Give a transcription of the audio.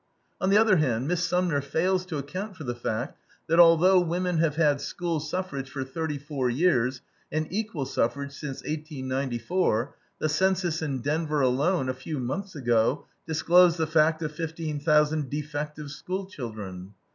On the other hand, Miss Sumner fails to account for the fact that although women have had school suffrage for thirty four years, and equal suffrage since 1894, the census in Denver alone a few months ago disclosed the fact of fifteen thousand defective school children.